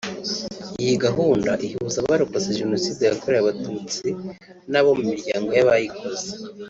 Iyi gahunda ihuza abarokotse Jenoside yakorewe abatutsi n’abo mu miryango y’abayikoze